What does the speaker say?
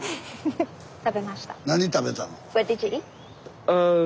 何食べたの？